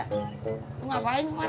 eh aduh ineke kan mau masak